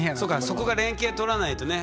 そこが連携とらないとね